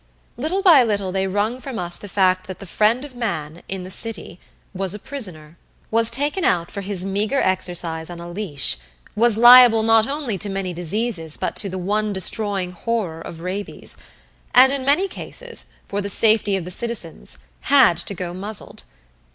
Little by little they wrung from us the fact that the friend of man, in the city, was a prisoner; was taken out for his meager exercise on a leash; was liable not only to many diseases but to the one destroying horror of rabies; and, in many cases, for the safety of the citizens, had to go muzzled.